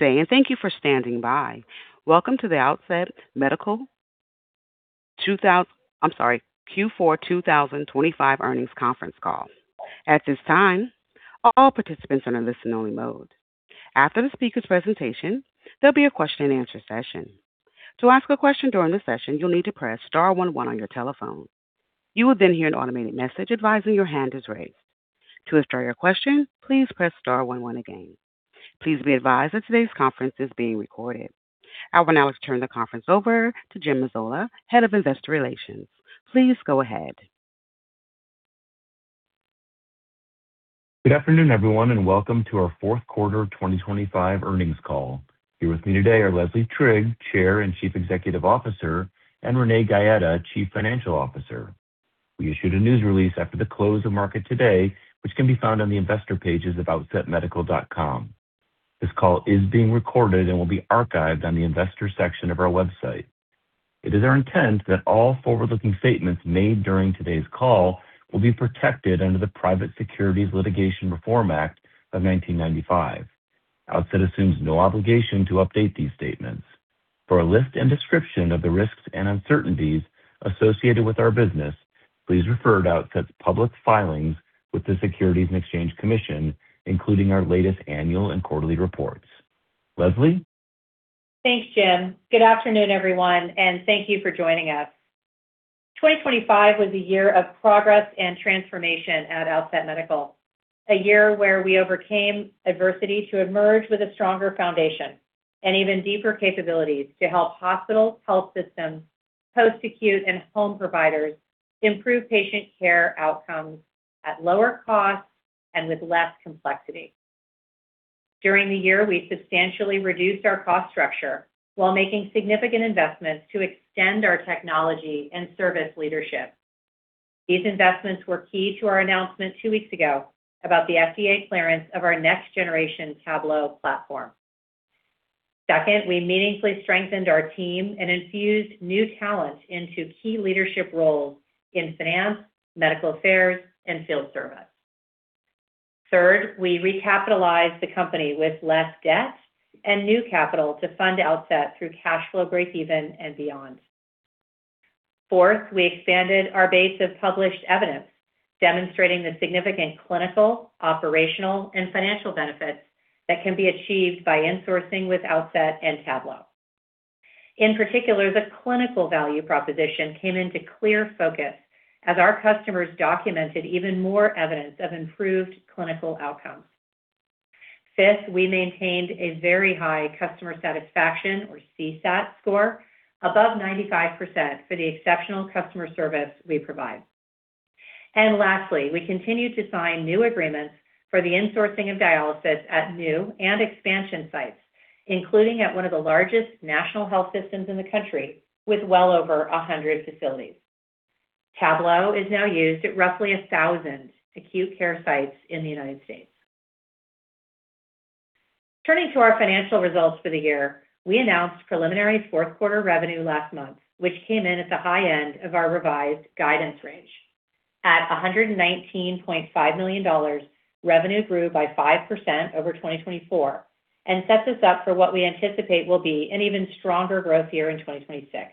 Good day, and thank you for standing by. Welcome to the Outset Medical Q4 2025 earnings conference call. At this time, all participants are in a listen-only mode. After the speaker's presentation, there'll be a question-and-answer session. To ask a question during the session, you'll need to press star one one on your telephone. You will then hear an automated message advising your hand is raised. To withdraw your question, please press star one one again. Please be advised that today's conference is being recorded. I will now turn the conference over to Jim Mazzola, Head of Investor Relations. Please go ahead. Good afternoon, everyone, and welcome to our fourth quarter of 2025 earnings call. Here with me today are Leslie Trigg, Chair and Chief Executive Officer, and Renee Gaeta, Chief Financial Officer. We issued a news release after the close of market today, which can be found on the investor pages of outsetmedical.com. This call is being recorded and will be archived on the investor section of our website. It is our intent that all forward-looking statements made during today's call will be protected under the Private Securities Litigation Reform Act of 1995. Outset assumes no obligation to update these statements. For a list and description of the risks and uncertainties associated with our business, please refer to Outset's public filings with the Securities and Exchange Commission, including our latest annual and quarterly reports. Leslie? Thanks, Jim. Good afternoon, everyone, and thank you for joining us. 2025 was a year of progress and transformation at Outset Medical, a year where we overcame adversity to emerge with a stronger foundation and even deeper capabilities to help hospitals, health systems, post-acute and home providers improve patient care outcomes at lower costs and with less complexity. During the year, we substantially reduced our cost structure while making significant investments to extend our technology and service leadership. These investments were key to our announcement two weeks ago about the FDA clearance of our next-generation Tablo platform. Second, we meaningfully strengthened our team and infused new talent into key leadership roles in Finance, Medical Affairs, and Field Service. Third, we recapitalized the company with less debt and new capital to fund Outset through cash flow breakeven and beyond. Fourth, we expanded our base of published evidence, demonstrating the significant clinical, operational, and financial benefits that can be achieved by insourcing with Outset and Tablo. In particular, the clinical value proposition came into clear focus as our customers documented even more evidence of improved clinical outcomes. Fifth, we maintained a very high customer satisfaction, or CSAT score, above 95% for the exceptional customer service we provide. And lastly, we continued to sign new agreements for the insourcing of dialysis at new and expansion sites, including at one of the largest national health systems in the country, with well over 100 facilities. Tablo is now used at roughly 1,000 acute care sites in the United States. Turning to our financial results for the year, we announced preliminary fourth quarter revenue last month, which came in at the high end of our revised guidance range. At $119.5 million, revenue grew by 5% over 2024 and sets us up for what we anticipate will be an even stronger growth year in 2026.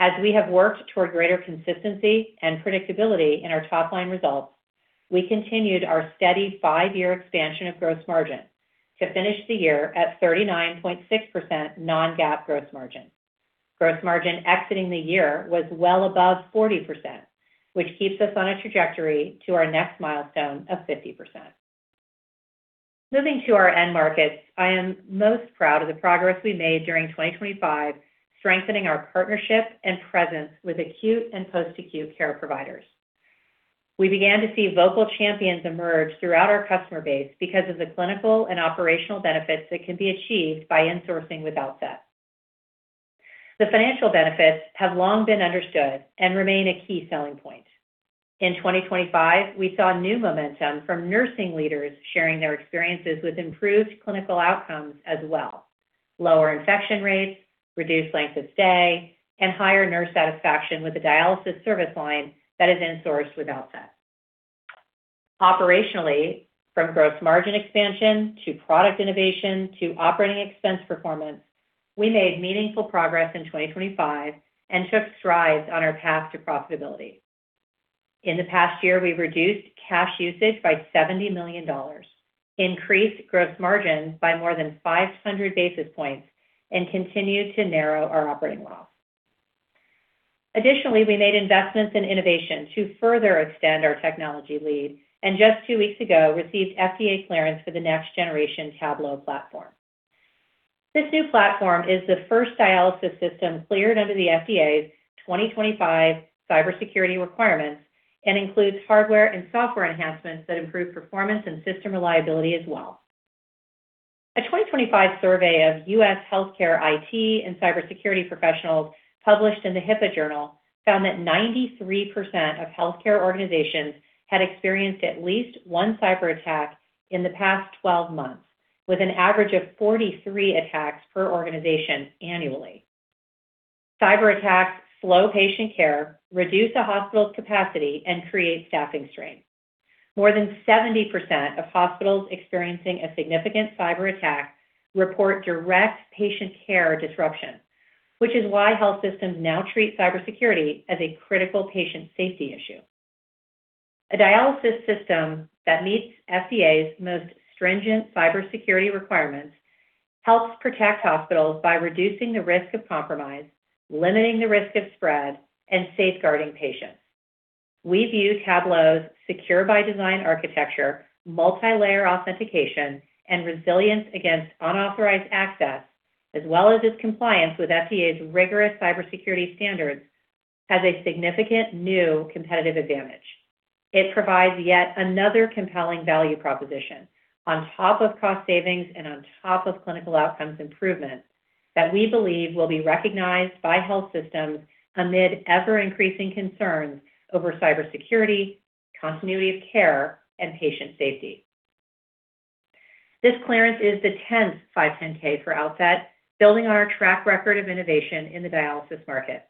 As we have worked toward greater consistency and predictability in our top-line results, we continued our steady five-year expansion of gross margin to finish the year at 39.6% non-GAAP gross margin. Gross margin exiting the year was well above 40%, which keeps us on a trajectory to our next milestone of 50%. Moving to our end markets, I am most proud of the progress we made during 2025, strengthening our partnership and presence with acute and post-acute care providers. We began to see vocal champions emerge throughout our customer base because of the clinical and operational benefits that can be achieved by insourcing with Outset. The financial benefits have long been understood and remain a key selling point. In 2025, we saw new momentum from nursing leaders sharing their experiences with improved clinical outcomes as well: lower infection rates, reduced length of stay, and higher nurse satisfaction with the dialysis service line that is insourced with Outset. Operationally, from gross margin expansion to product innovation to operating expense performance, we made meaningful progress in 2025 and took strides on our path to profitability. In the past year, we've reduced cash usage by $70 million, increased gross margins by more than 500 basis points, and continued to narrow our operating loss. Additionally, we made investments in innovation to further extend our technology lead, and just two weeks ago received FDA clearance for the next-generation Tablo platform. This new platform is the first dialysis system cleared under the FDA's 2025 cybersecurity requirements and includes hardware and software enhancements that improve performance and system reliability as well. A 2025 survey of U.S. healthcare IT and cybersecurity professionals, published in the HIPAA Journal, found that 93% of healthcare organizations had experienced at least one cyberattack in the past 12 months, with an average of 43 attacks per organization annually. Cyberattacks slow patient care, reduce a hospital's capacity, and create staffing strain. More than 70% of hospitals experiencing a significant cyberattack report direct patient care disruption, which is why health systems now treat cybersecurity as a critical patient safety issue. A dialysis system that meets FDA's most stringent cybersecurity requirements helps protect hospitals by reducing the risk of compromise, limiting the risk of spread, and safeguarding patients. We view Tablo's secure-by-design architecture, multilayer authentication, and resilience against unauthorized access, as well as its compliance with FDA's rigorous cybersecurity standards, as a significant new competitive advantage. It provides yet another compelling value proposition on top of cost savings and on top of clinical outcomes improvement, that we believe will be recognized by health systems amid ever-increasing concerns over cybersecurity, continuity of care, and patient safety. This clearance is the 10th 510(k) for Outset, building on our track record of innovation in the dialysis market.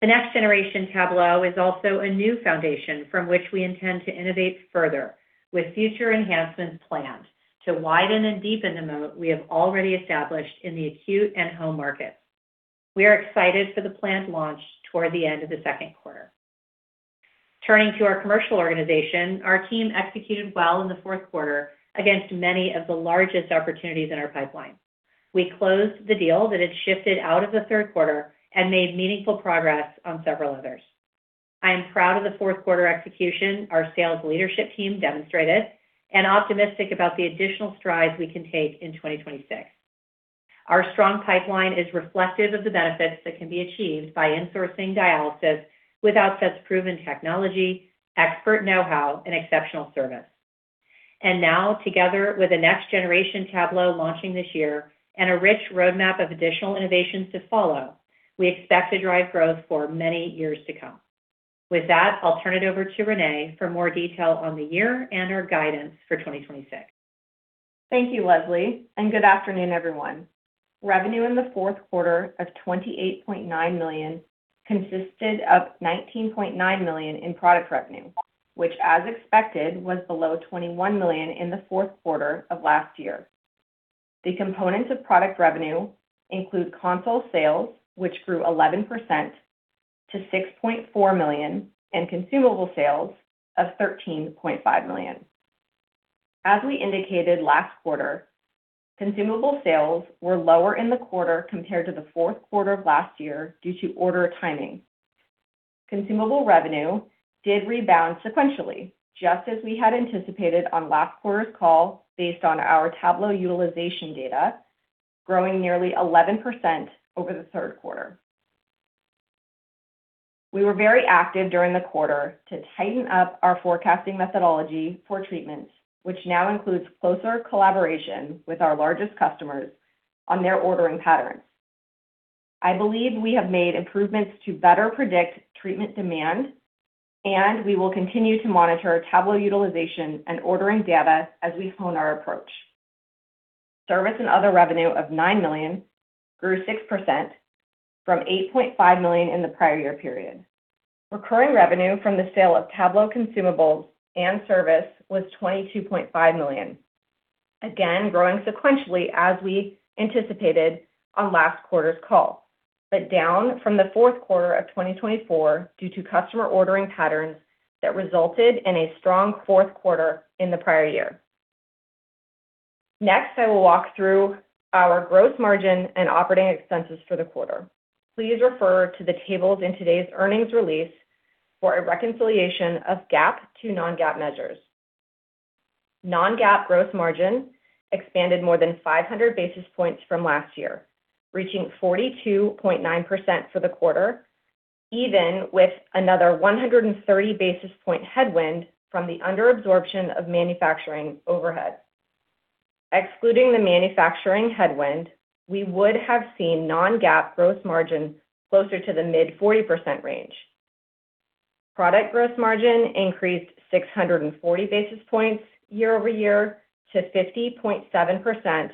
The next-generation Tablo is also a new foundation from which we intend to innovate further, with future enhancements planned to widen and deepen the moat we have already established in the acute and home markets. We are excited for the planned launch toward the end of the second quarter. Turning to our commercial organization, our team executed well in the fourth quarter against many of the largest opportunities in our pipeline. We closed the deal that had shifted out of the third quarter and made meaningful progress on several others. I am proud of the fourth quarter execution our sales leadership team demonstrated, and optimistic about the additional strides we can take in 2026. Our strong pipeline is reflective of the benefits that can be achieved by insourcing dialysis with Outset's proven technology, expert know-how, and exceptional service. And now, together with the next-generation Tablo launching this year and a rich roadmap of additional innovations to follow, we expect to drive growth for many years to come. With that, I'll turn it over to Renee for more detail on the year and our guidance for 2026. Thank you, Leslie, and good afternoon everyone. Revenue in the fourth quarter of $28.9 million consisted of $19.9 million in product revenue, which as expected, was below $21 million in the fourth quarter of last year. The components of product revenue include console sales, which grew 11% to $6.4 million, and consumable sales of $13.5 million. As we indicated last quarter, consumable sales were lower in the quarter compared to the fourth quarter of last year due to order timing. Consumable revenue did rebound sequentially, just as we had anticipated on last quarter's call based on our Tablo utilization data, growing nearly 11% over the third quarter. We were very active during the quarter to tighten up our forecasting methodology for treatments, which now includes closer collaboration with our largest customers on their ordering patterns. I believe we have made improvements to better predict treatment demand, and we will continue to monitor Tablo utilization and ordering data as we hone our approach. Service and other revenue of $9 million grew 6% from $8.5 million in the prior year period. Recurring revenue from the sale of Tablo consumables and service was $22.5 million, again, growing sequentially as we anticipated on last quarter's call, but down from the fourth quarter of 2024 due to customer ordering patterns that resulted in a strong fourth quarter in the prior year. Next, I will walk through our gross margin and operating expenses for the quarter. Please refer to the tables in today's earnings release for a reconciliation of GAAP to non-GAAP measures. Non-GAAP gross margin expanded more than 500 basis points from last year, reaching 42.9% for the quarter, even with another 130 basis point headwind from the under absorption of manufacturing overhead. Excluding the manufacturing headwind, we would have seen non-GAAP gross margin closer to the mid-40% range. Product gross margin increased 640 basis points year-over-year to 50.7%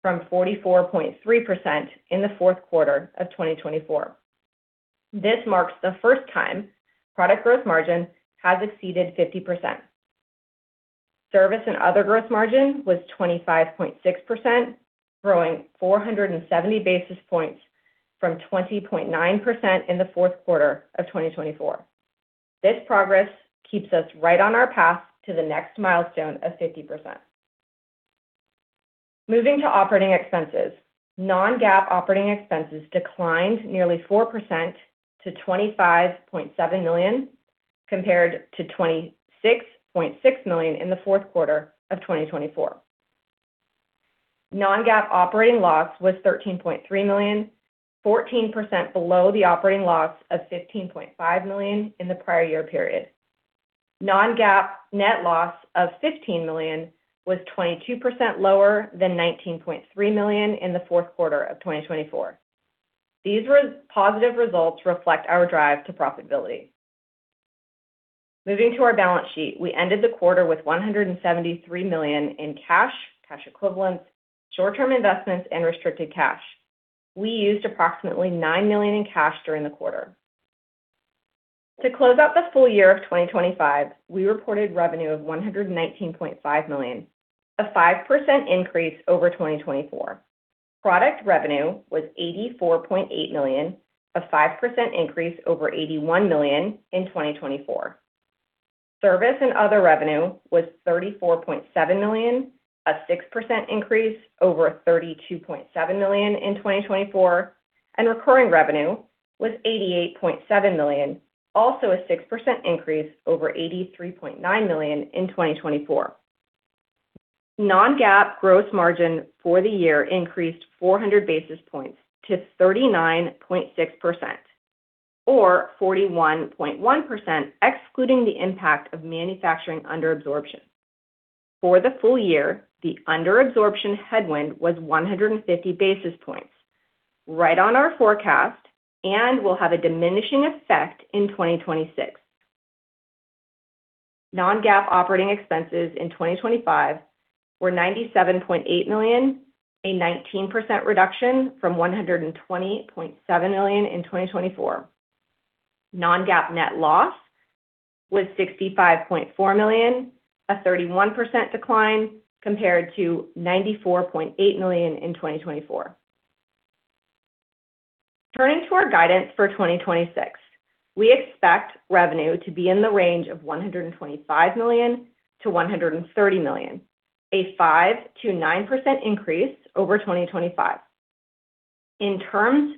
from 44.3% in the fourth quarter of 2024. This marks the first time product gross margin has exceeded 50%. Service and other gross margin was 25.6%, growing 470 basis points from 20.9% in the fourth quarter of 2024. This progress keeps us right on our path to the next milestone of 50%. Moving to operating expenses. Non-GAAP operating expenses declined nearly 4% to $25.7 million, compared to $26.6 million in the fourth quarter of 2024. Non-GAAP operating loss was $13.3 million, 14% below the operating loss of $15.5 million in the prior year period. Non-GAAP net loss of $15 million was 22% lower than $19.3 million in the fourth quarter of 2024. These positive results reflect our drive to profitability. Moving to our balance sheet, we ended the quarter with $173 million in cash, cash equivalents, short-term investments, and restricted cash. We used approximately $9 million in cash during the quarter. To close out the full year of 2025, we reported revenue of $119.5 million, a 5% increase over 2024. Product revenue was $84.8 million, a 5% increase over $81 million in 2024. Service and other revenue was $34.7 million, a 6% increase over $32.7 million in 2024, and recurring revenue was $88.7 million, also a 6% increase over $83.9 million in 2024. Non-GAAP gross margin for the year increased 400 basis points to 39.6%, or 41.1%, excluding the impact of manufacturing under absorption. For the full year, the under absorption headwind was 150 basis points, right on our forecast and will have a diminishing effect in 2026. Non-GAAP operating expenses in 2025 were $97.8 million, a 19% reduction from $120.7 million in 2024. Non-GAAP net loss was $65.4 million, a 31% decline compared to $94.8 million in 2024. Turning to our guidance for 2026, we expect revenue to be in the range of $125 million-$130 million, a 5%-9% increase over 2025. In terms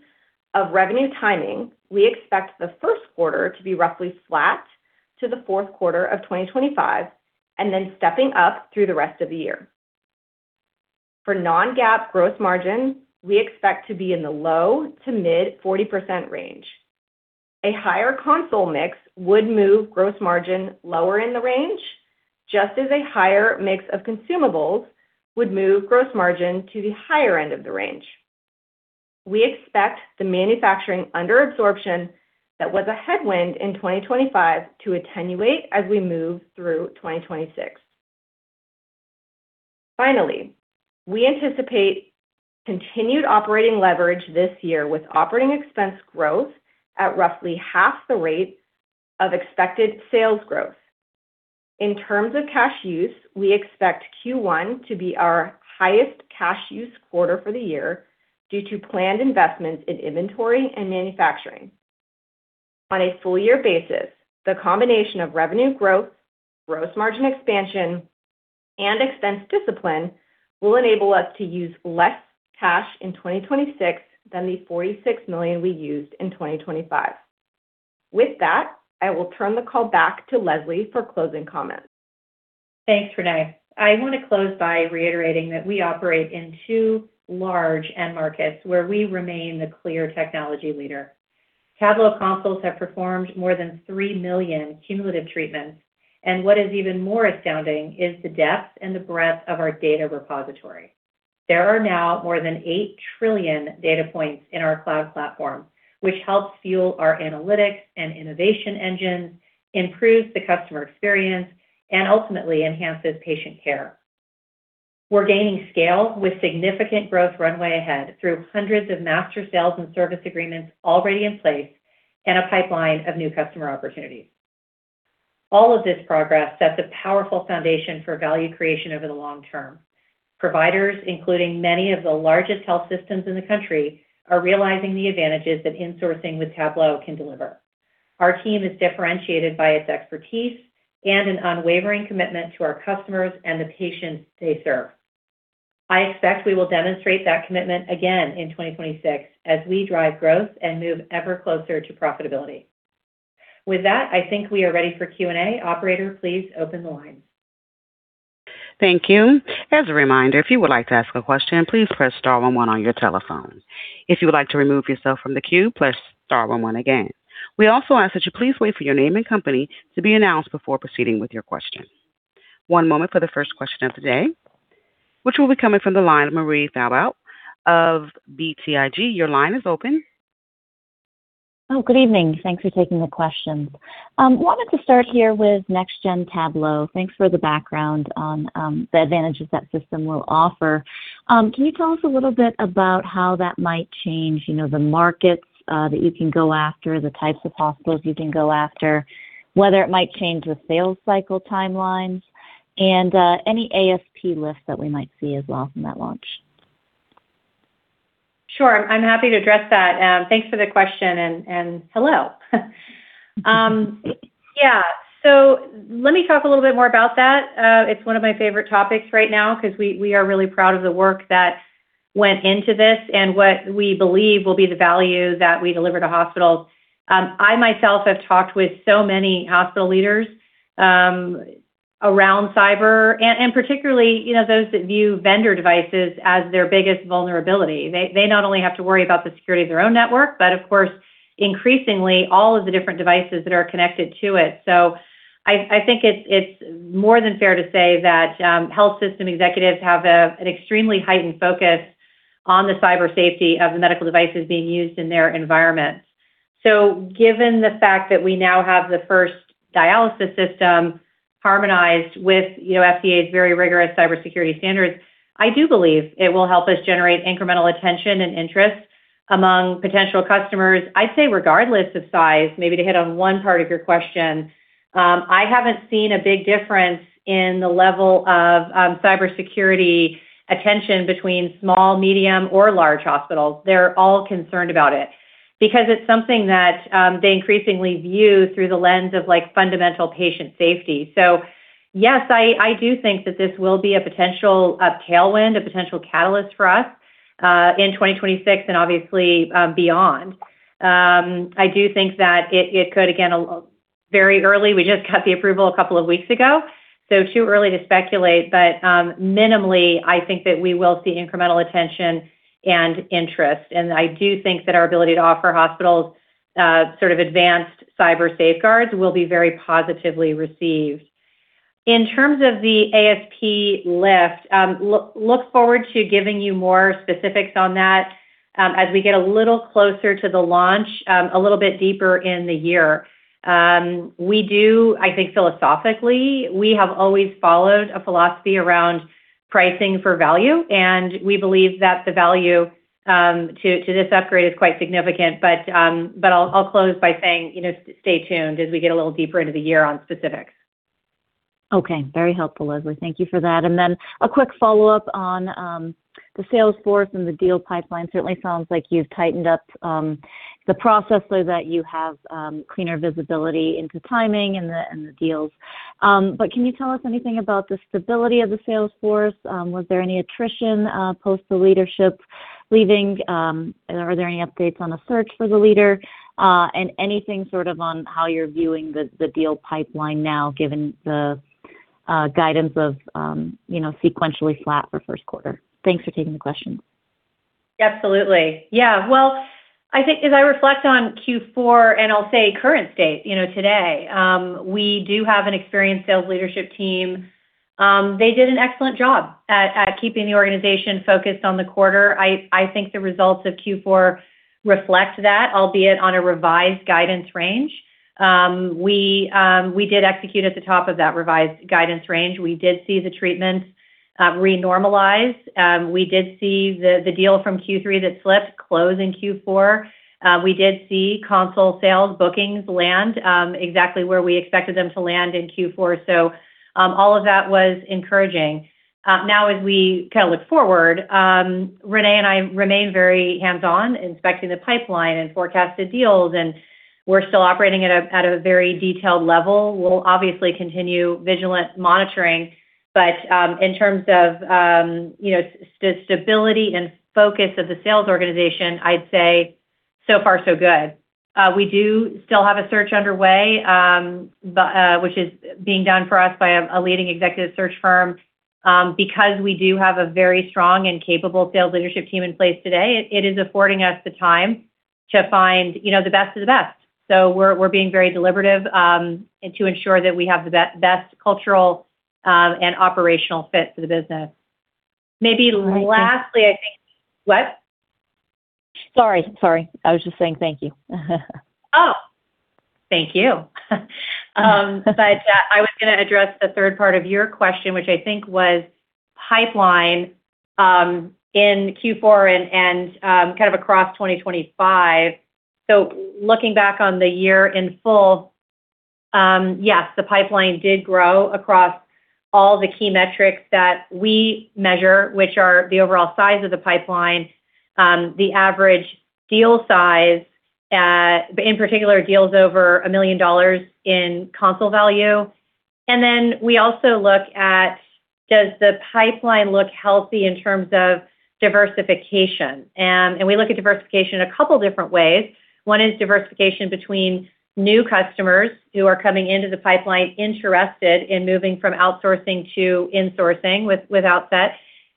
of revenue timing, we expect the first quarter to be roughly flat to the fourth quarter of 2025, and then stepping up through the rest of the year. For non-GAAP gross margin, we expect to be in the low-to-mid 40% range. A higher console mix would move gross margin lower in the range, just as a higher mix of consumables would move gross margin to the higher end of the range. We expect the manufacturing under absorption that was a headwind in 2025 to attenuate as we move through 2026. Finally, we anticipate continued operating leverage this year, with operating expense growth at roughly half the rate of expected sales growth. In terms of cash use, we expect Q1 to be our highest cash use quarter for the year due to planned investments in inventory and manufacturing. On a full year basis, the combination of revenue growth, gross margin expansion, and expense discipline will enable us to use less cash in 2026 than the $46 million we used in 2025. With that, I will turn the call back to Leslie for closing comments. Thanks, Renee. I want to close by reiterating that we operate in two large end markets, where we remain the clear technology leader. Tablo consoles have performed more than 3 million cumulative treatments, and what is even more astounding is the depth and the breadth of our data repository. There are now more than 8 trillion data points in our cloud platform, which helps fuel our analytics and innovation engines, improves the customer experience, and ultimately enhances patient care. We're gaining scale with significant growth runway ahead through hundreds of master sales and service agreements already in place and a pipeline of new customer opportunities. All of this progress sets a powerful foundation for value creation over the long term. Providers, including many of the largest health systems in the country, are realizing the advantages that insourcing with Tablo can deliver. Our team is differentiated by its expertise and an unwavering commitment to our customers and the patients they serve. I expect we will demonstrate that commitment again in 2026 as we drive growth and move ever closer to profitability. With that, I think we are ready for Q&A. Operator, please open the line. Thank you. As a reminder, if you would like to ask a question, please press star one one on your telephone. If you would like to remove yourself from the queue, press star one one again. We also ask that you please wait for your name and company to be announced before proceeding with your question. One moment for the first question of the day, which will be coming from the line of Marie Thibault of BTIG. Your line is open. Oh, good evening. Thanks for taking the questions. I wanted to start here with next-gen Tablo. Thanks for the background on the advantages that system will offer. Can you tell us a little bit about how that might change, you know, the markets that you can go after, the types of hospitals you can go after, whether it might change the sales cycle timelines and any ASP lift that we might see as well from that launch? Sure. I'm happy to address that. Thanks for the question, and, and hello. Yeah. So let me talk a little bit more about that. It's one of my favorite topics right now because we, we are really proud of the work that went into this and what we believe will be the value that we deliver to hospitals. I, myself, have talked with so many hospital leaders, around cyber and, and particularly, you know, those that view vendor devices as their biggest vulnerability. They, they not only have to worry about the security of their own network, but of course, increasingly, all of the different devices that are connected to it. So I, I think it's, it's more than fair to say that, health system executives have a, an extremely heightened focus... On the cybersecurity of the medical devices being used in their environments. So given the fact that we now have the first dialysis system harmonized with, you know, FDA's very rigorous cybersecurity standards, I do believe it will help us generate incremental attention and interest among potential customers. I'd say regardless of size, maybe to hit on one part of your question, I haven't seen a big difference in the level of cybersecurity attention between small, medium, or large hospitals. They're all concerned about it because it's something that they increasingly view through the lens of, like, fundamental patient safety. So yes, I do think that this will be a potential, a tailwind, a potential catalyst for us in 2026 and obviously, beyond. I do think that it could, again, very early, we just got the approval a couple of weeks ago, so too early to speculate, but minimally, I think that we will see incremental attention and interest. And I do think that our ability to offer hospitals, sort of advanced cyber safeguards will be very positively received. In terms of the ASP lift, look forward to giving you more specifics on that, as we get a little closer to the launch, a little bit deeper in the year. I think philosophically, we have always followed a philosophy around pricing for value, and we believe that the value to this upgrade is quite significant. But I'll close by saying, you know, stay tuned as we get a little deeper into the year on specifics. Okay. Very helpful, Leslie. Thank you for that. And then a quick follow-up on the sales force and the deal pipeline. Certainly sounds like you've tightened up the process so that you have cleaner visibility into timing and the deals. But can you tell us anything about the stability of the sales force? Was there any attrition post the leadership leaving? Are there any updates on a search for the leader? And anything sort of on how you're viewing the deal pipeline now, given the guidance of you know, sequentially flat for first quarter? Thanks for taking the question. Absolutely. Yeah. Well, I think as I reflect on Q4, and I'll say current state, you know, today, we do have an experienced sales leadership team. They did an excellent job at keeping the organization focused on the quarter. I think the results of Q4 reflect that, albeit on a revised guidance range. We did execute at the top of that revised guidance range. We did see the treatments renormalize. We did see the deal from Q3 that slipped close in Q4. We did see console sales bookings land exactly where we expected them to land in Q4. So, all of that was encouraging. Now, as we kind of look forward, Renee and I remain very hands-on, inspecting the pipeline and forecasted deals, and we're still operating at a very detailed level. We'll obviously continue vigilant monitoring, but in terms of, you know, stability and focus of the sales organization, I'd say so far so good. We do still have a search underway, but which is being done for us by a leading executive search firm. Because we do have a very strong and capable sales leadership team in place today, it is affording us the time to find, you know, the best of the best. So we're being very deliberative, and to ensure that we have the best cultural and operational fit for the business. Maybe lastly, I think... What? Sorry, sorry. I was just saying thank you. Oh, thank you. But I was gonna address the third part of your question, which I think was pipeline in Q4 and kind of across 2025. So looking back on the year in full, yes, the pipeline did grow across all the key metrics that we measure, which are the overall size of the pipeline. The average deal size, in particular, deals over $1 million in console value. And then we also look at, does the pipeline look healthy in terms of diversification? And we look at diversification a couple different ways. One is diversification between new customers who are coming into the pipeline interested in moving from outsourcing to insourcing with, with Outset,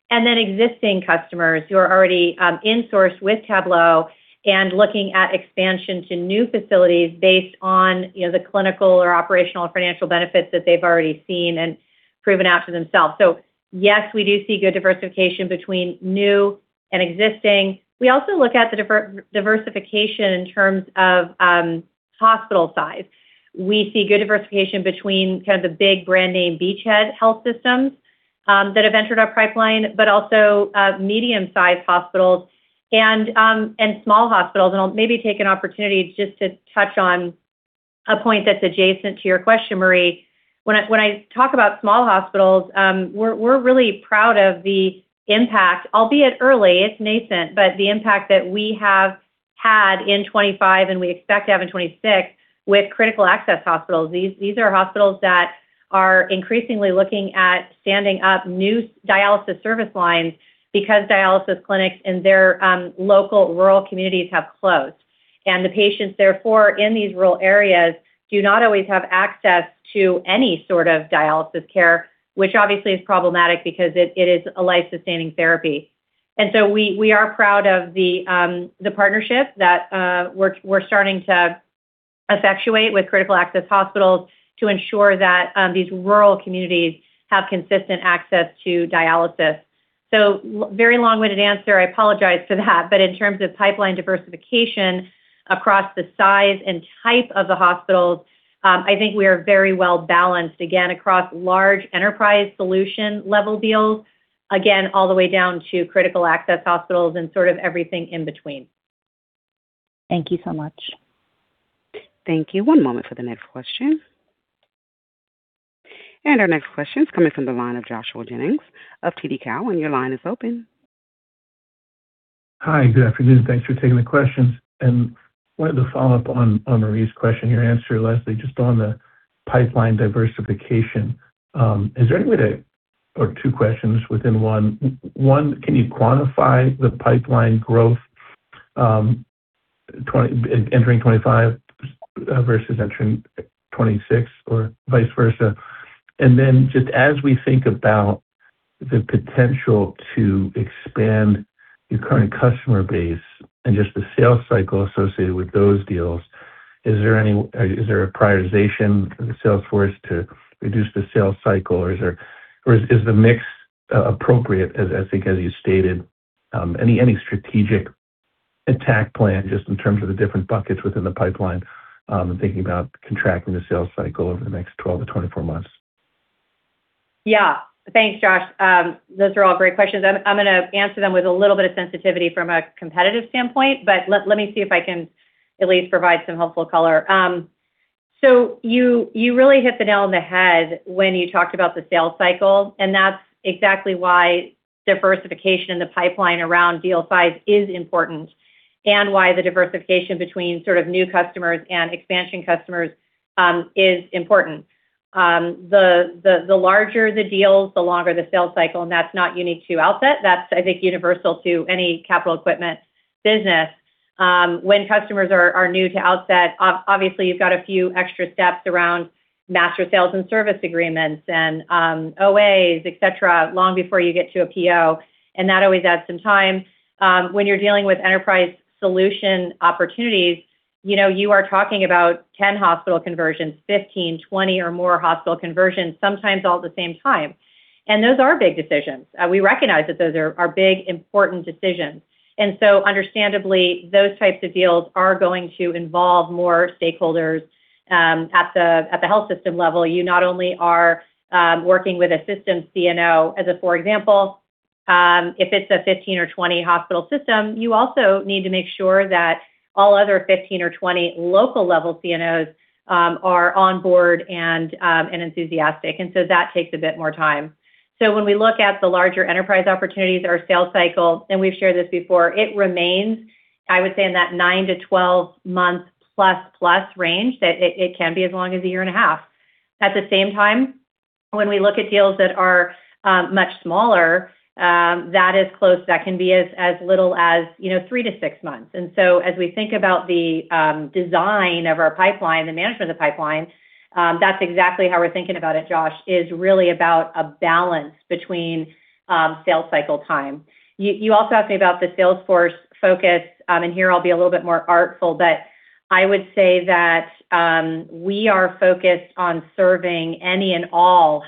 and then existing customers who are already insourced with Tablo and looking at expansion to new facilities based on, you know, the clinical or operational financial benefits that they've already seen and proven out to themselves. So yes, we do see good diversification between new and existing. We also look at the diversification in terms of hospital size. We see good diversification between kind of the big brand name beachhead health systems that have entered our pipeline, but also medium-sized hospitals and small hospitals. And I'll maybe take an opportunity just to touch on a point that's adjacent to your question, Marie. When I talk about small hospitals, we're really proud of the impact, albeit early, it's nascent, but the impact that we have had in 2025 and we expect to have in 2026 with critical access hospitals. These are hospitals that are increasingly looking at standing up new dialysis service lines because dialysis clinics in their local rural communities have closed. And the patients therefore, in these rural areas, do not always have access to any sort of dialysis care, which obviously is problematic because it is a life-sustaining therapy. And so we are proud of the partnership that we're starting to effectuate with critical access hospitals to ensure that these rural communities have consistent access to dialysis. So, very long-winded answer, I apologize for that. But in terms of pipeline diversification across the size and type of the hospitals, I think we are very well-balanced, again, across large enterprise solution level deals. Again, all the way down to critical access hospitals and sort of everything in between. Thank you so much. Thank you. One moment for the next question. Our next question is coming from the line of Joshua Jennings of TD Cowen. Your line is open. Hi, good afternoon. Thanks for taking the questions. And wanted to follow up on, on Marie's question. Your answer, Leslie, just on the pipeline diversification. Is there any way to, or two questions within one: One, can you quantify the pipeline growth entering 2025 versus entering 2026 or vice versa? And then, just as we think about the potential to expand your current customer base and just the sales cycle associated with those deals, is there any, is there a prioritization for the sales force to reduce the sales cycle, or is there, or is, is the mix appropriate as I think as you stated, any, any strategic attack plan just in terms of the different buckets within the pipeline, and thinking about contracting the sales cycle over the next 12 months-24 months? Yeah. Thanks, Josh. Those are all great questions. I'm gonna answer them with a little bit of sensitivity from a competitive standpoint. But let me see if I can at least provide some helpful color. So you really hit the nail on the head when you talked about the sales cycle, and that's exactly why diversification in the pipeline around deal size is important, and why the diversification between sort of new customers and expansion customers is important. The larger the deals, the longer the sales cycle, and that's not unique to Outset. That's, I think, universal to any capital equipment business. When customers are new to Outset, obviously, you've got a few extra steps around master sales and service agreements and OAs, et cetera, long before you get to a PO, and that always adds some time. When you're dealing with enterprise solution opportunities, you know, you are talking about 10 hospital conversions, 15, 20, or more hospital conversions, sometimes all at the same time. Those are big decisions. We recognize that those are big, important decisions. So understandably, those types of deals are going to involve more stakeholders at the health system level. You not only are working with a system CNO, as a for example, if it's a 15 or 20 hospital system, you also need to make sure that all other 15 or 20 local level CNOs are on board and enthusiastic. So that takes a bit more time. So when we look at the larger enterprise opportunities or sales cycle, and we've shared this before, it remains, I would say in that 9-month to 12-month-plus-plus range, that it, it can be as long as a 1.5 years. At the same time, when we look at deals that are much smaller, that is close, that can be as, as little as, you know, 3-6 months. And so as we think about the design of our pipeline, the management of the pipeline, that's exactly how we're thinking about it, Josh, is really about a balance between sales cycle time. You, you also asked me about the sales force focus, and here I'll be a little bit more artful. But I would say that, we are focused on serving any and all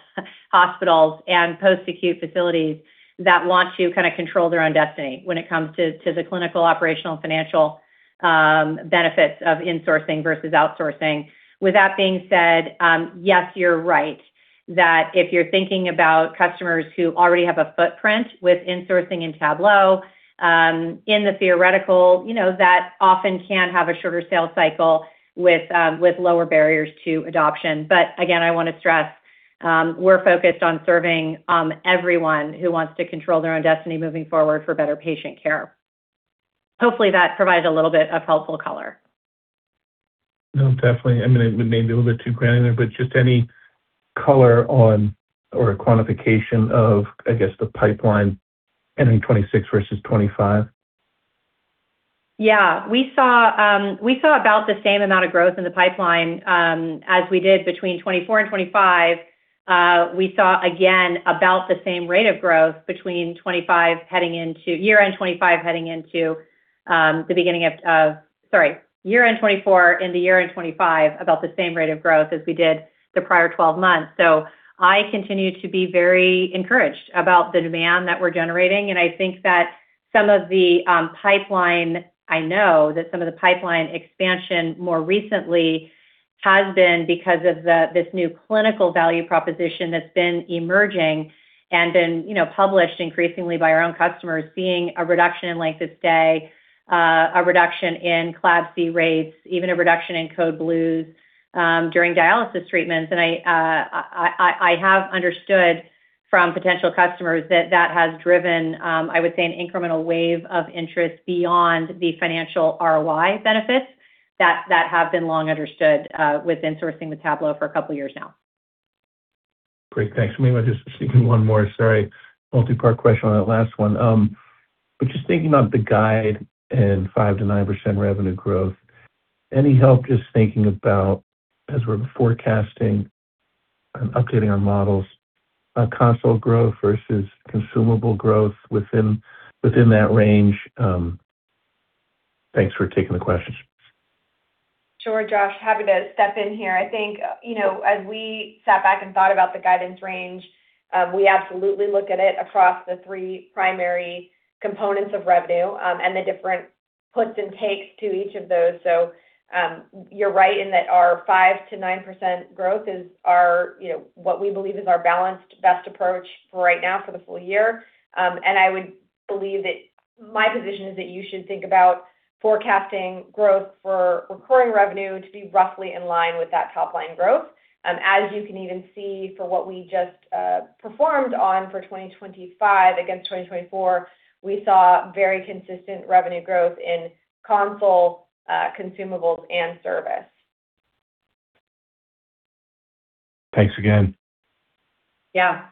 hospitals and post-acute facilities that want to kind of control their own destiny when it comes to, to the clinical, operational, financial benefits of insourcing versus outsourcing. With that being said, yes, you're right, that if you're thinking about customers who already have a footprint with insourcing in Tablo, in the theoretical, you know, that often can have a shorter sales cycle with, lower barriers to adoption. But again, I wanna stress, we're focused on serving, everyone who wants to control their own destiny moving forward for better patient care. Hopefully, that provides a little bit of helpful color. No, definitely. I mean, it may be a little bit too granular, but just any color on or a quantification of, I guess, the pipeline ending 26 versus 2025? Yeah. We saw, we saw about the same amount of growth in the pipeline as we did between 2024 and 2025. We saw again, about the same rate of growth between year-end 2024 and year-end 2025, about the same rate of growth as we did the prior 12 months. So I continue to be very encouraged about the demand that we're generating, and I think that some of the pipeline, I know that some of the pipeline expansion more recently has been because of this new clinical value proposition that's been emerging and been, you know, published increasingly by our own customers, seeing a reduction in length of stay, a reduction in CLABSI rates, even a reduction in Code Blues during dialysis treatments. I have understood from potential customers that that has driven, I would say, an incremental wave of interest beyond the financial ROI benefits that have been long understood with insourcing with Tablo for a couple of years now. Great. Thanks. Maybe just one more, sorry, multi-part question on that last one. But just thinking about the guide and 5%-9% revenue growth, any help just thinking about as we're forecasting and updating our models on console growth versus consumable growth within that range. Thanks for taking the question. Sure, Josh, happy to step in here. I think, you know, as we sat back and thought about the guidance range, we absolutely look at it across the three primary components of revenue, and the different puts and takes to each of those. So, you're right in that our 5%-9% growth is our, you know, what we believe is our balanced best approach for right now for the full year. And I would believe that my position is that you should think about forecasting growth for recurring revenue to be roughly in line with that top line growth. As you can even see for what we just performed on for 2025 against 2024, we saw very consistent revenue growth in console, consumables, and service. Thanks again. Yeah.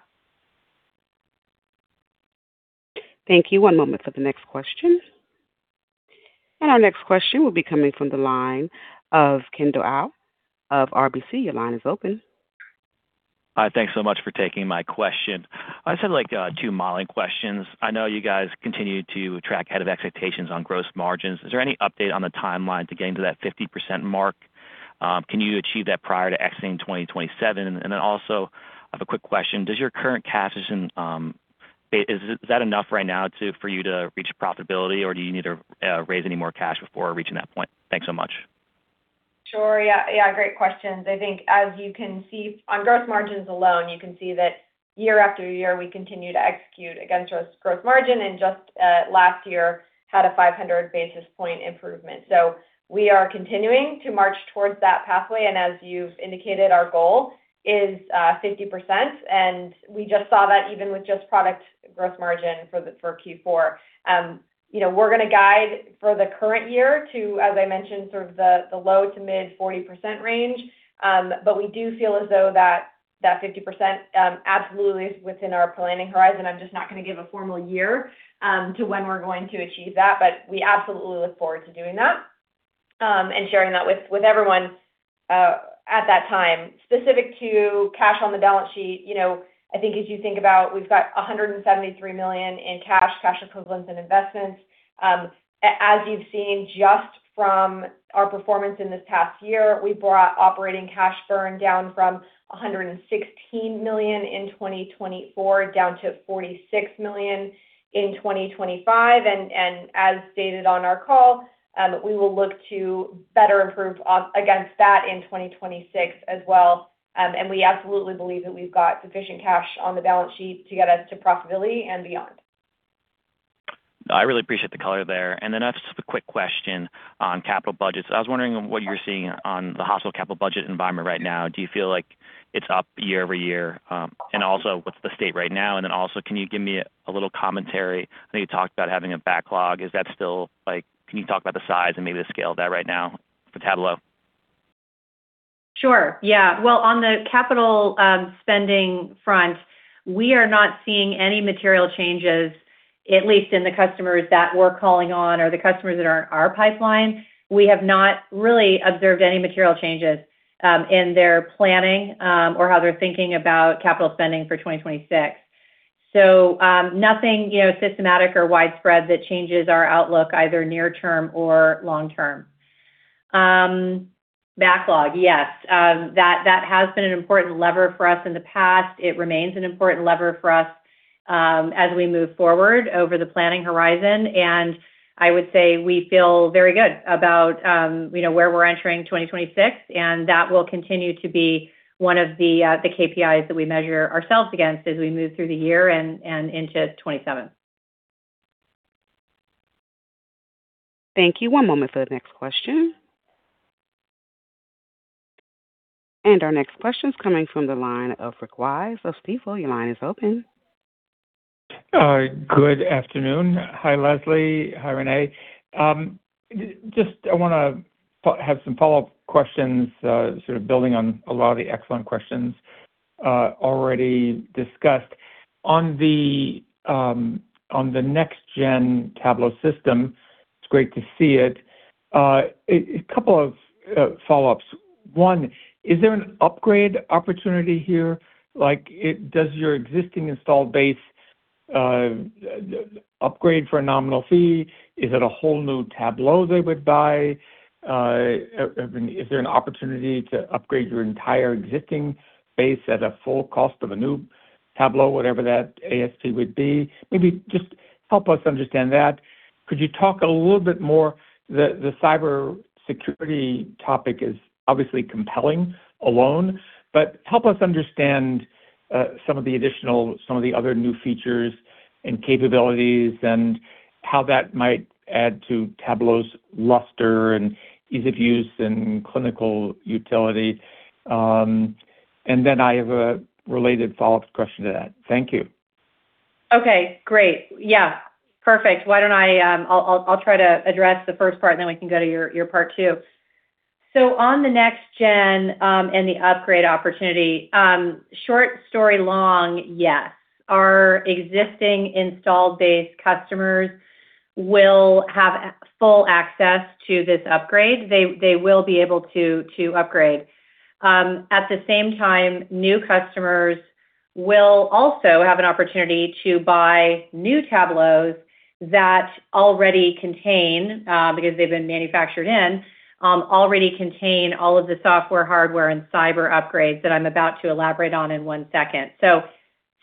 Thank you. One moment for the next question. Our next question will be coming from the line of Kendall Au of RBC. Your line is open. Hi, thanks so much for taking my question. I just had, like, two modeling questions. I know you guys continue to track ahead of expectations on gross margins. Is there any update on the timeline to getting to that 50% mark? Can you achieve that prior to exiting 2027? And then also, I have a quick question. Does your current cash position, is that enough right now to—for you to reach profitability, or do you need to raise any more cash before reaching that point? Thanks so much. Sure. Yeah. Yeah, great questions. I think as you can see on gross margins alone, you can see that year after year, we continue to execute against gross margin, and just last year had a 500 basis point improvement. So we are continuing to march towards that pathway, and as you've indicated our goal is 50%, and we just saw that even with just product gross margin for Q4. You know, we're going to guide for the current year to as I mentioned sort of the low- to mid-40% range. But we do feel as though that 50% absolutely is within our planning horizon. I'm just not going to give a formal year to when we're going to achieve that, but we absolutely look forward to doing that, and sharing that with everyone at that time. Specific to cash on the balance sheet, you know, I think as you think about we've got $173 million in cash, cash equivalents, and investments. As you've seen just from our performance in this past year, we brought operating cash burn down from $116 million in 2024 down to $46 million in 2025, and as stated on our call, we will look to better improve off against that in 2026 as well. And we absolutely believe that we've got sufficient cash on the balance sheet to get us to profitability and beyond. I really appreciate the color there. And then I've just a quick question on capital budgets. I was wondering what you're seeing on the hospital capital budget environment right now. Do you feel like it's up year-over-year? And also, what's the state right now? And then also, can you give me a little commentary? I know you talked about having a backlog. Is that still... Can you talk about the size and maybe the scale of that right now for Tablo? Sure. Yeah. Well, on the capital spending front, we are not seeing any material changes, at least in the customers that we're calling on or the customers that are in our pipeline. We have not really observed any material changes in their planning or how they're thinking about capital spending for 2026. So, nothing, you know, systematic or widespread that changes our outlook, either near term or long term. Backlog, yes, that has been an important lever for us in the past. It remains an important lever for us as we move forward over the planning horizon, and I would say we feel very good about, you know, where we're entering 2026, and that will continue to be one of the KPIs that we measure ourselves against as we move through the year and into 2027. Thank you. One moment for the next question. Our next question is coming from the line of Rick Wise of Stifel. Your line is open. Good afternoon. Hi, Leslie. Hi, Renee. Just I wanna have some follow-up questions, sort of building on a lot of the excellent questions already discussed. On the next-gen Tablo system, it's great to see it. A couple of follow-ups. One, is there an upgrade opportunity here? Like, does your existing installed base upgrade for a nominal fee? Is it a whole new Tablo they would buy? Is there an opportunity to upgrade your entire existing base at a full cost of a new Tablo, whatever that ASP would be? Maybe just help us understand that. Could you talk a little bit more. The cybersecurity topic is obviously compelling alone, but help us understand some of the additional, some of the other new features and capabilities and how that might add to Tablo's luster and ease of use and clinical utility? And then I have a related follow-up question to that. Thank you. Okay, great. Yeah, perfect. Why don't I-- I'll try to address the first part, and then we can go to your part two. So on the next-gen and the upgrade opportunity, short story long, yes. Our existing installed base customers will have full access to this upgrade. They will be able to upgrade. At the same time, new customers will also have an opportunity to buy new Tablos that already contain, because they've been manufactured in, already contain all of the software, hardware, and cyber upgrades that I'm about to elaborate on in one second. So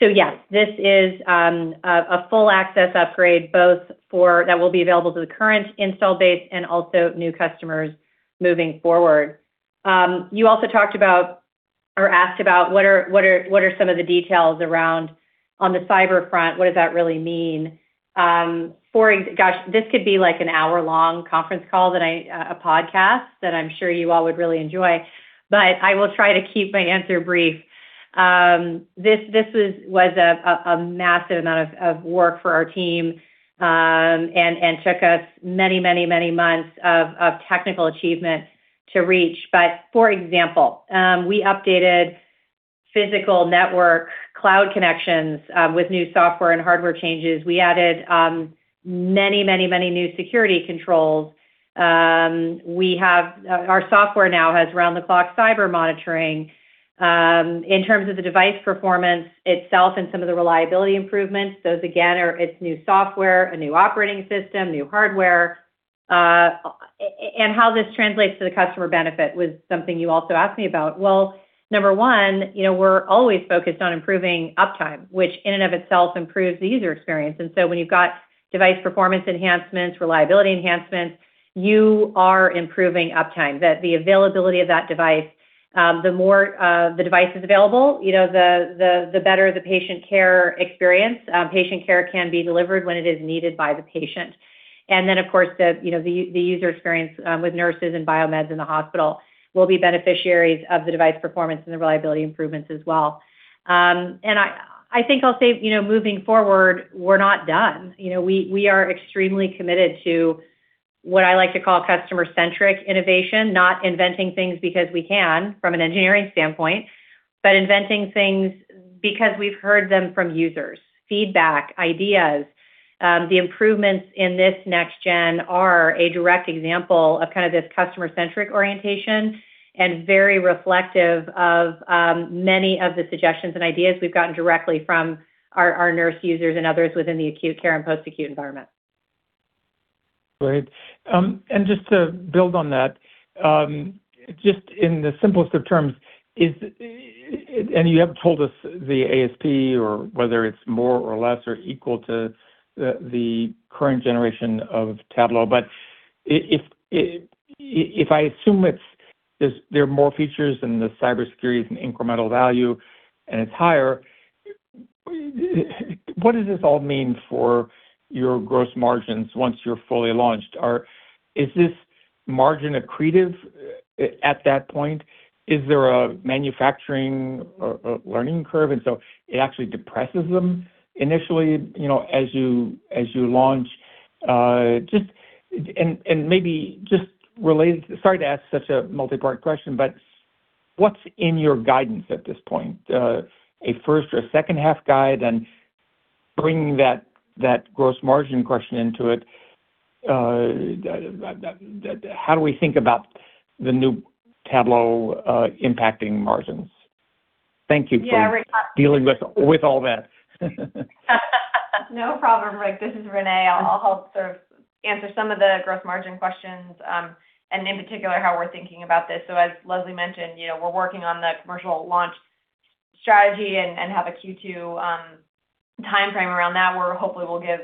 yes, this is a full access upgrade both for that will be available to the current installed base and also new customers moving forward. You also talked about or asked about what are some of the details around on the cyber front? What does that really mean? For example, gosh, this could be like an hour-long conference call that I, a podcast, that I'm sure you all would really enjoy, but I will try to keep my answer brief. This was a massive amount of work for our team, and took us many, many, many months of technical achievement to reach. But for example, we updated physical network cloud connections with new software and hardware changes. We added many, many, many new security controls. We have our software now has round-the-clock cyber monitoring. In terms of the device performance itself and some of the reliability improvements, those again are it's new software, a new operating system, new hardware. And how this translates to the customer benefit was something you also asked me about. Well, number one, you know, we're always focused on improving uptime, which in and of itself improves the user experience. And so when you've got device performance enhancements, reliability enhancements, you are improving uptime that the availability of that device. The more, the device is available, you know, the, the, the better the patient care experience. Patient care can be delivered when it is needed by the patient. And then, of course, the, you know, the user experience, with nurses and biomeds in the hospital will be beneficiaries of the device performance and the reliability improvements as well. I think I'll say, you know, moving forward, we're not done. You know, we are extremely committed to what I like to call customer-centric innovation, not inventing things because we can, from an engineering standpoint, but inventing things because we've heard them from users. Feedback, ideas, the improvements in this next-gen are a direct example of kind of this customer-centric orientation and very reflective of many of the suggestions and ideas we've gotten directly from our nurse users and others within the acute care and post-acute environment. Great. And just to build on that, just in the simplest of terms, you haven't told us the ASP or whether it's more or less or equal to the current generation of Tablo. But if, if, if I assume it's, there's, there are more features than the cybersecurity is an incremental value and it's higher, what does this all mean for your gross margins once you're fully launched? Is this margin accretive at that point? Is there a manufacturing or learning curve, and so it actually depresses them initially, you know, as you launch? Just and maybe just related. Sorry to ask such a multipart question, but what's in your guidance at this point? A first or second half guide, and bringing that, that gross margin question into it, how do we think about the new Tablo impacting margins? Thank you. Yeah. For dealing with all that. No problem, Rick. This is Renee. I'll help sort of answer some of the gross margin questions, and in particular, how we're thinking about this. So as Leslie mentioned, you know, we're working on the commercial launch strategy and have a Q2 time frame around that, where hopefully we'll give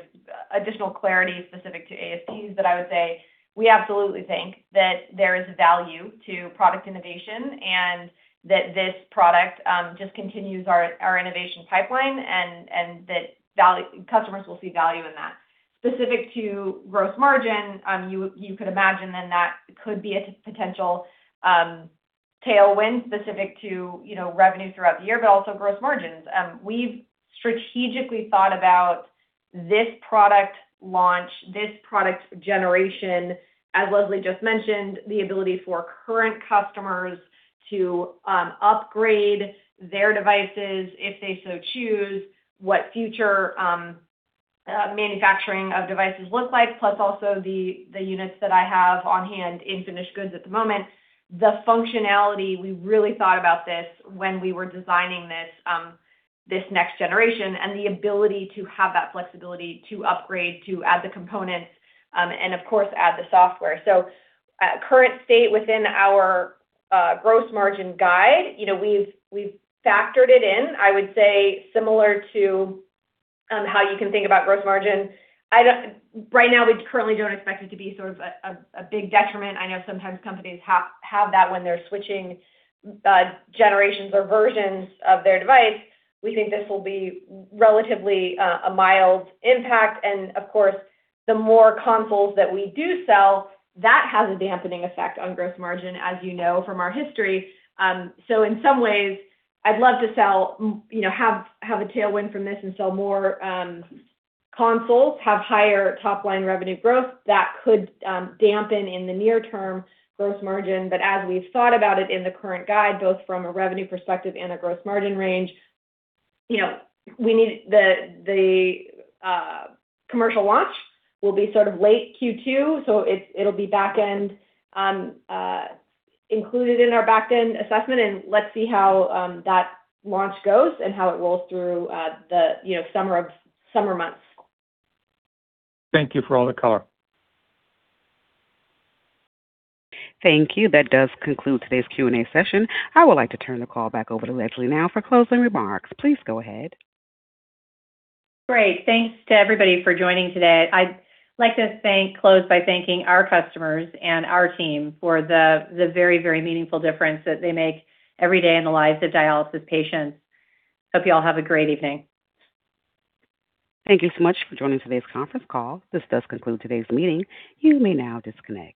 additional clarity specific to ASPs. But I would say we absolutely think that there is value to product innovation and that this product just continues our innovation pipeline. And that value, customers will see value in that. Specific to gross margin, you could imagine then that could be a potential tailwind specific to, you know, revenue throughout the year, but also gross margins. We've strategically thought about this product launch, this product generation, as Leslie just mentioned, the ability for current customers to upgrade their devices if they so choose. What future manufacturing of devices look like plus also the units that I have on hand in finished goods at the moment. The functionality, we really thought about this when we were designing this next-generation, and the ability to have that flexibility to upgrade, to add the components, and of course, add the software. So at current state within our gross margin guide, you know, we've factored it in. I would say similar to how you can think about gross margin, right now, we currently don't expect it to be sort of a big detriment. I know sometimes companies have that when they're switching generations or versions of their device. We think this will be relatively a mild impact. Of course, the more consoles that we do sell, that has a dampening effect on gross margin, as you know from our history. So in some ways, I'd love to sell, you know, have a tailwind from this and sell more consoles, have higher top-line revenue growth. That could dampen in the near term, gross margin. But as we've thought about it in the current guide, both from a revenue perspective and a gross margin range, you know, we need the commercial launch will be sort of late Q2, so it's, it'll be back-end, included in our back-end assessment. And let's see how that launch goes and how it rolls through, you know, the summer months. Thank you for all the color. Thank you. That does conclude today's Q&A session. I would like to turn the call back over to Leslie now for closing remarks. Please go ahead. Great. Thanks to everybody for joining today. I'd like to thank, closing by thanking our customers and our team for the very, very meaningful difference that they make every day in the lives of dialysis patients. Hope you all have a great evening. Thank you so much for joining today's conference call. This does conclude today's meeting. You may now disconnect.